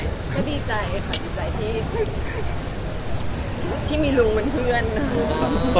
ก็ดีใจค่ะดีใจที่ที่มีลุงเหมือนเพื่อน